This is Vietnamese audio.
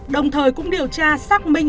đồng thời cũng điều tra xác minh